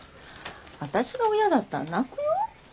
私が親だったら泣くよ。